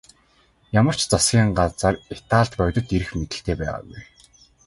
Ямар ч засгийн газар Италид бодит эрх мэдэлтэй байгаагүй.